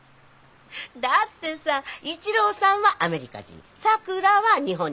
だってさ一朗さんはアメリカ人さくらは日本人。